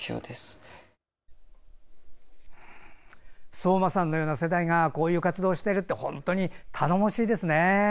聡真さんのような世代がこういう活動をしているって本当に頼もしいですね。